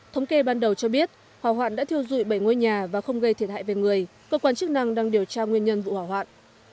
thống kê ban đầu cho biết hỏa hoạn đã thiêu dụi bảy ngôi nhà và không gây thiệt hại về người cơ quan chức năng đang điều tra nguyên nhân vụ hỏa hoạn